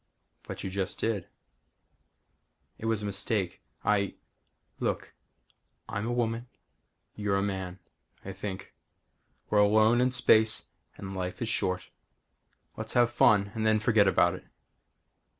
"But you just did." "It was a mistake. I " "Look I'm a woman. You're a man I think. We're alone in space and life is short. Let's have fun and then forget about it."